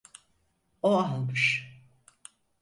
O almış.